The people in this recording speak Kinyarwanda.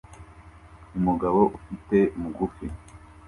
Umugabo ufite mugufi